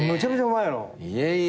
いえいえ。